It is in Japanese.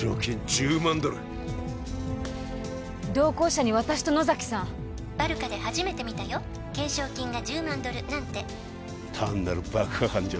１０万ドル同行者に私と野崎さん「バルカで初めて見たよ懸賞金が１０万ドルなんて」単なる爆破犯じゃ